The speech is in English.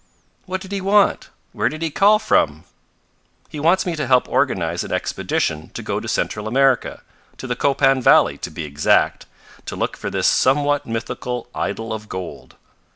"What did he want? Where did he call from?" "He wants me to help organize an expedition to go to Central America to the Copan valley, to be exact to look for this somewhat mythical idol of gold.